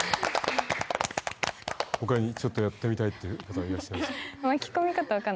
他にちょっとやってみたいって方いらっしゃいますか巻き込み方？